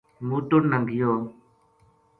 موتن نا گیو